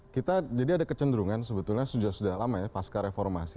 kita jadi ada kecenderungan sebetulnya sudah lama ya pasca reformasi